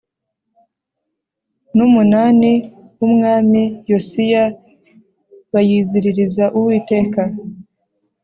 n umunani w Umwami Yosiya bayiziririza Uwiteka